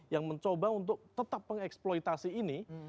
yang mencoba untuk tetap mengeksploitasi ini